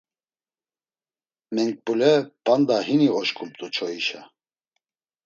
Menkbule p̌anda hini oşǩumt̆u çoyişa.